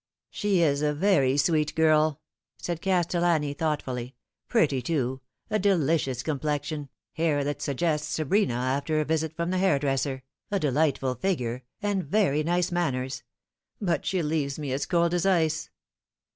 " She is a very sweet girl," said Castellani thoughtfully ;" pretty too, a delicious complexion, hair that suggests Sabrina after a visit from the hairdresser, a delightful figure, and very nice manners but she leaves me as cold as ice.